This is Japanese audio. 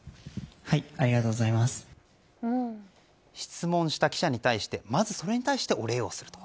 質問した記者に対してまず、それに対してお礼をすると。